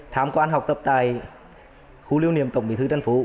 thám quan học tập tại khu liêu niệm tổng bí thư trần phú